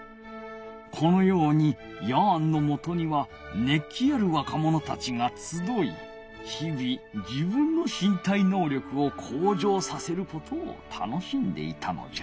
このようにヤーンのもとにはねっ気あるわかものたちがつどいひび自分のしん体のう力をこう上させることを楽しんでいたのじゃ。